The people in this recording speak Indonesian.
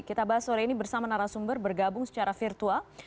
kita bahas sore ini bersama narasumber bergabung secara virtual